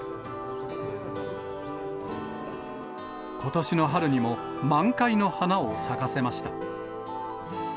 ことしの春にも、満開の花を咲かせました。